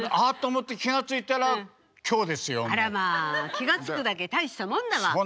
気が付くだけ大したもんだわ。